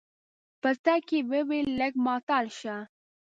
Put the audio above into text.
په تګ کې يې وويل لږ ماتل شه.